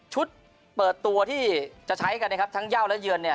ชุดเปิดตัวที่จะใช้กันทั้งเยาวและเยือน